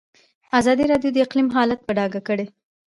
ازادي راډیو د اقلیم حالت په ډاګه کړی.